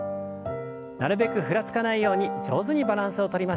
なるべくふらつかないように上手にバランスをとりましょう。